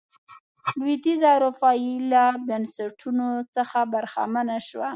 لوېدیځه اروپا ایله بنسټونو څخه برخمنه شوه.